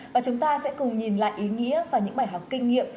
và chúng ta sẽ cùng nhìn lại ý nghĩa và những bài học kinh nghiệm